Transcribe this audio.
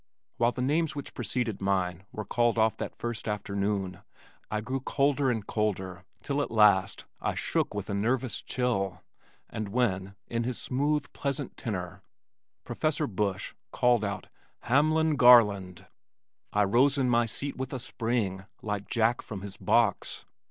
While the names which preceded mine were called off that first afternoon, I grew colder and colder till at last I shook with a nervous chill, and when, in his smooth, pleasant tenor, Prof. Bush called out "Hamlin Garland" I rose in my seat with a spring like Jack from his box.